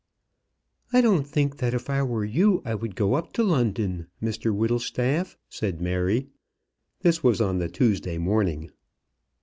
"I don't think that if I were you I would go up to London, Mr Whittlestaff," said Mary. This was on the Tuesday morning.